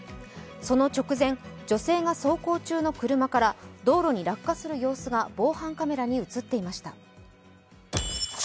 その直前、女性が走行中の車から道路に落下する様子が防犯カメラに映っていました。